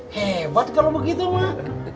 hebat kalau begitu mak